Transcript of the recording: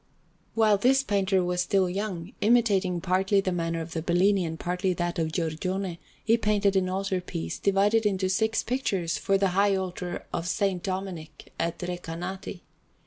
Maria del Carmine_) Anderson] While this painter was still young, imitating partly the manner of the Bellini and partly that of Giorgione, he painted an altar piece, divided into six pictures, for the high altar of S. Domenico at Recanati.